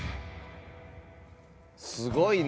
すごいね。